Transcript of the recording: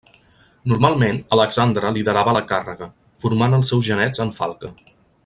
Normalment, Alexandre liderava la càrrega, formant els seus genets en falca.